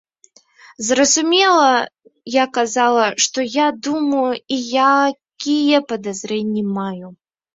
Зразумела, я казала, што я думаю і якія падазрэнні маю.